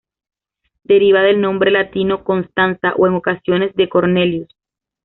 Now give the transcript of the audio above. Deriva del nombre latino Constanza o, en ocasiones, de Cornelius.